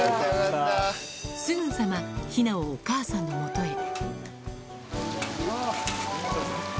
すぐさま、ヒナをお母さんのもとへ。